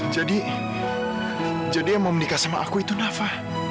jadi jadi yang mau menikah sama aku itu nafa